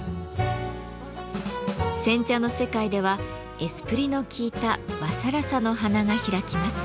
煎茶の世界ではエスプリの効いた和更紗の華が開きます。